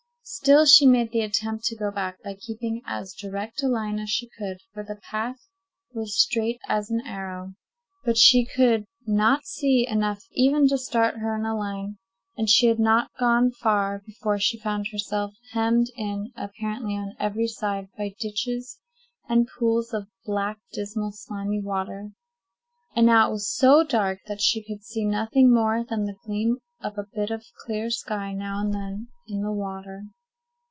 Still she made the attempt to go back by keeping as direct a line as she could, for the path was straight as an arrow. But she could not see enough even to start her in a line, and she had not gone far before she found herself hemmed in, apparently on every side, by ditches and pools of black, dismal, slimy water. And now it was so dark that she could see nothing more than the gleam of a bit of clear sky now and then in the water.